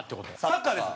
サッカーです。